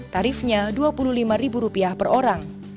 tarifnya rp dua puluh lima per orang